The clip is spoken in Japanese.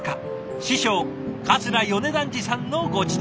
師匠桂米團治さんのご自宅。